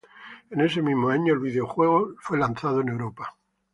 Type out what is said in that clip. En ese mismo año el videojuego fue lanzado en Europa.